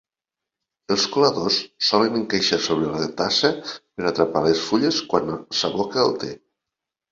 Els coladors solen encaixar sobre la tassa per atrapar les fulles quan s'aboca el te.